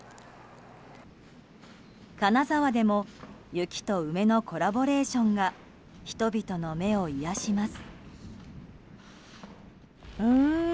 金沢でも雪と梅のコラボレーションが人々の目を癒やします。